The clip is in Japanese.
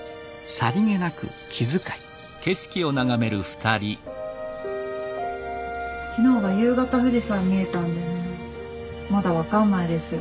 さりげなく気遣い昨日は夕方富士山見えたんでまだ分からないですよ